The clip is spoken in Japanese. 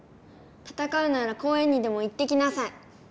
たたかうなら公園にでも行ってきなさい。